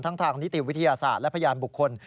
ทางนิติวิทยาศาสตร์และพยานบุคคล